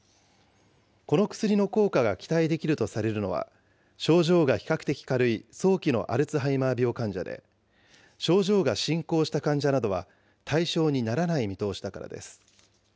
この薬の効果が期待できるとされるのは、症状が比較的軽い早期のアルツハイマー病患者で、症状が進行した患者などは対象にならない見通しだからです。